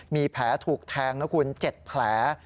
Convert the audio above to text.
มีแผลถูกแทงนะคุณ๗แผล